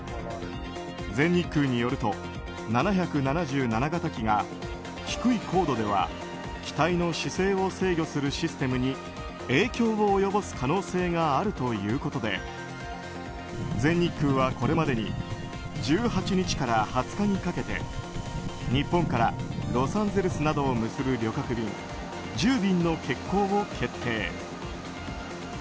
全日空によると、７７７型機が低い高度では機体の姿勢を制御するシステムに影響を及ぼす可能性があるということで全日空はこれまでに１８日から２０日にかけて日本からロサンゼルスなどを結ぶ旅客便１０便の欠航を決定。